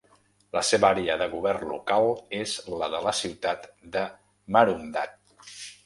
La seva àrea de govern local és la de la ciutat de Maroondah.